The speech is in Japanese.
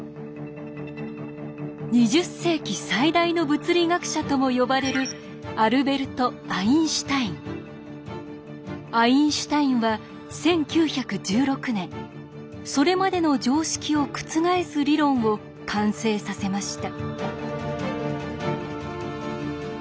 「２０世紀最大の物理学者」とも呼ばれるアインシュタインは１９１６年それまでの常識を覆す理論を完成させました。